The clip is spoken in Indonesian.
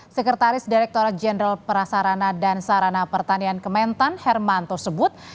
sekretaris direktur general perasarana dan sarana pertanian kementan hermanto sebut